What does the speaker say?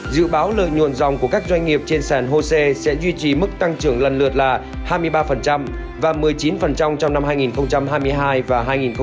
dự báo lợi nhuận dòng của các doanh nghiệp trên sàn hồ sê sẽ duy trì mức tăng trưởng lần lượt là hai mươi ba và một mươi chín trong năm hai nghìn hai mươi hai và hai nghìn hai mươi ba